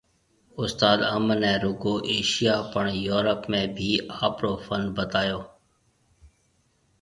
استاد انب ني رگو ايشياھ پڻ يورپ ۾ بِي آپرو فن بتايو